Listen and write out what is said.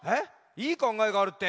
いいかんがえがあるって？